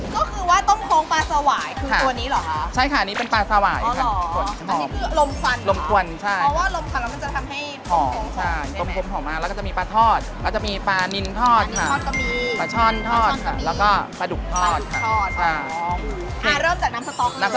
ก็คือว่าต้มโครงปลาสวายคือตัวนี้หรอใช่ค่ะอันนี้เป็นปลาสวายค่ะอ๋อเหรออันนี้คือลมสั่นเหรอลมทวนใช่เพราะว่าลมสั่นเราก็จะทำให้ต้มโครงชอบสุดใช่ไหมอ๋อใช่ต้มโครงหอมมากแล้วก็จะมีปลาทอดแล้วก็จะมีปลานินทอดค่ะปลานินทอดก็มีปลาช่อนทอดค่ะแล้วก็ปลาดุกทอดค่ะปลา